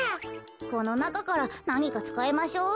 このなかからなにかつかいましょう。